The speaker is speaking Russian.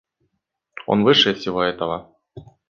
Он выше всего этого.